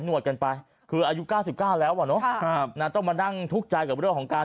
นวดกันไปคืออายุ๙๙แล้วต้องมานั่งทุกข์ใจกับเรื่องของการ